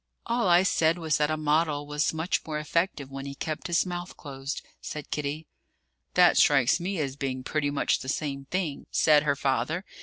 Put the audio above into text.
"All I said was that a model was much more effective when he kept his mouth closed," said Kitty. "That strikes me as being pretty much the same thing," said her father.